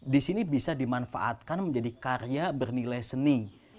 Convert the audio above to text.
di sini bisa dimanfaatkan menjadi karya bernilai seni